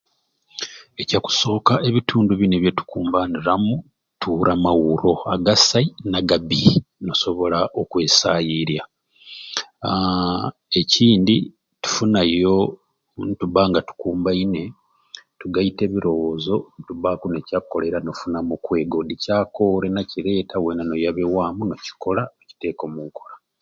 Ekyakusooka ebitundu bini byetukumbaniramu tuwuura amawuuro agasai nagabbi nosobola okwesayiirya mm aaah ekindi tufunayo nitubanga tukumbaine tugaita ebirowoozo nobanga kyakukoleire nogunamu ekyakweega odi ekyakoore nakireeta wena noyaba ewamu nokikola nokiteka omunkola.